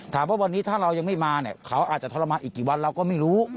ถามว่าวันนี้ถ้าเรายังไม่มาเนี่ยเขาอาจจะทรมานอีกกี่วันเราก็ไม่รู้